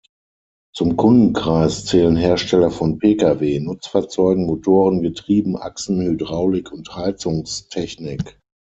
Zum Kundenkreis zählen Hersteller von Pkw, Nutzfahrzeugen, Motoren, Getrieben, Achsen, Hydraulik und Heizungstechnik.